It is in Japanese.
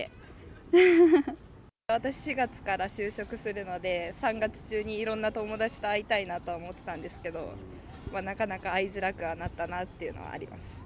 私、４月から就職するので、３月中にいろんな友達と会いたいなと思ったんですけど、なかなか会いづらくはなったなというのはあります。